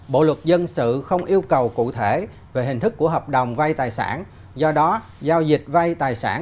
bộ luật dân sự không yêu cầu cụ thể về hình thức của hợp đồng vay tài sản do đó giao dịch vay tài sản